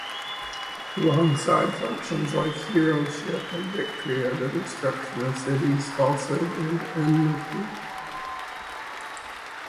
Alongside functions like "heroship" and "victory" are "the destruction of cities", "falsehood", and "enmity".